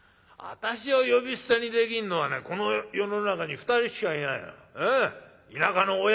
私を呼び捨てにできんのはねこの世の中に２人しかいないの。